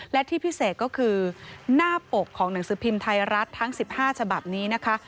และที่พิเศษก็คือหน้าปกของหนังสือพิมพ์ไทยรัฐทั้ง๑๕ฉบับนี้นะคะ